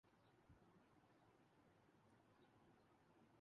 اس مرتبہ کرک نامہ سے غیر حاضری کچھ زیادہ ہی طویل ہوگئی ہے جس کا سبب ذاتی مصروفیت تھی